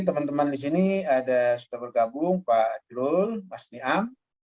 teman teman di sini sudah bergabung pak drul mas niam